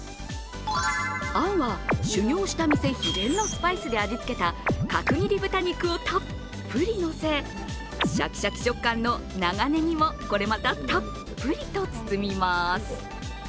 あんは修業した店秘伝のスパイスで味つけた角切り豚肉をたっぷりのせ、シャキシャキ食感の長ネギもこれまた、たっぷりと包みます。